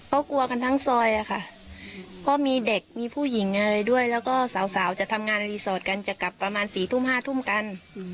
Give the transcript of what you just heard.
ก็กลัวกันทั้งซอยอะค่ะเพราะมีเด็กมีผู้หญิงอะไรด้วยแล้วก็สาวจะทำงานในรีสอร์ทกันจะกลับประมาณ๔ทุ่ม๕ทุ่มกัน